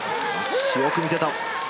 よく見てた。